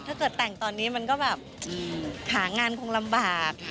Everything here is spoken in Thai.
ถ้าเกิดแต่งตอนนี้มันก็แบบหางานคงลำบาก